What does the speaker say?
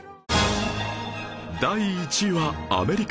第１位はアメリカ